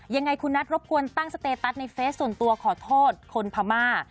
ยังไงคุณนัทรบกวนตั้งสเตตัสในเฟซส่วนตัวขอโทษคนพม่า